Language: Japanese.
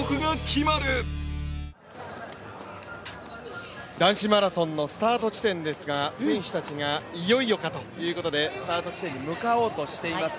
続く男子マラソンのスタート地点ですが選手たちがいよいよかということでスタート地点に向かおうとしています。